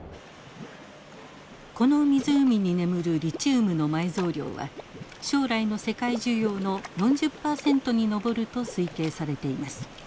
この湖に眠るリチウムの埋蔵量は将来の世界需要の４０％に上ると推計されています。